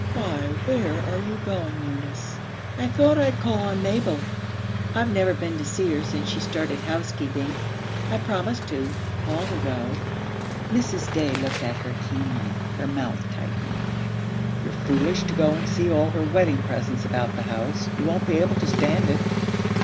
'Why, where are you going, Eunice?' 'I thought I'd call on Mabel. I've never been to see her since she started housekeeping. I promised to, long ago.' Mrs. Day looked at her keenly, her mouth tightening. 'You're foolish to go and see all her wedding presents about the house. You won't be able to stand it.'